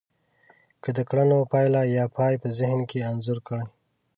که د کړنو پايله يا پای په ذهن کې انځور کړی.